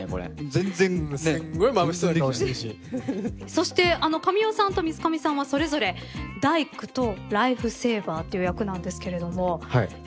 そして神尾さんと水上さんはそれぞれ大工とライフセーバーという役なんですけれどもやはりどうですか？